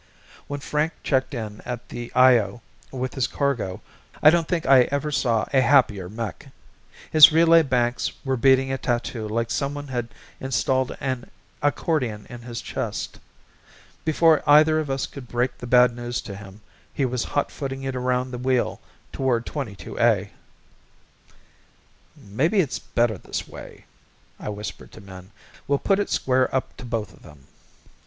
When Frank checked in at the Io with his cargo I don't think I ever saw a happier mech. His relay banks were beating a tattoo like someone had installed an accordion in his chest. Before either of us could break the bad news to him he was hotfooting it around the wheel toward 22A. "Maybe it's better this way," I whispered to Min. "We'll put it square up to both of them."